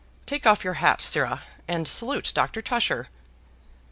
Take off your hat, sirrah, and salute Dr. Tusher!"